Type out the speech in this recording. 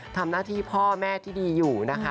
ทำหน้าที่พ่อแม่ที่ดีอยู่นะคะ